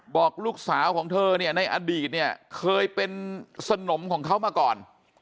บอกลูกสาวของเธอเนี่ยในอดีตเนี่ยเคยเป็นสนมของเขามาก่อน